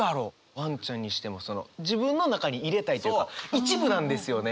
ワンちゃんにしてもその自分の中に入れたいっていうか一部なんですよね！